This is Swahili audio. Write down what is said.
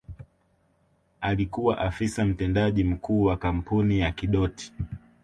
Alikuwa Afisa Mtendaji Mkuu wa kampuni ya Kidoti